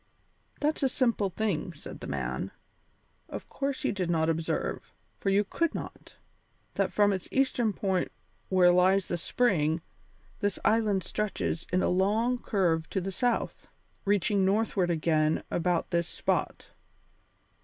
"That's a simple thing," said the man. "Of course you did not observe, for you could not, that from its eastern point where lies the spring, this island stretches in a long curve to the south, reaching northward again about this spot.